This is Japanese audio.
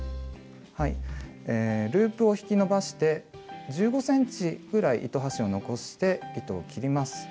ループを引き伸ばして１５ｃｍぐらい糸端を残して糸を切ります。